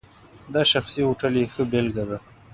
دا شخصي هوټل یې ښه بېلګه ده.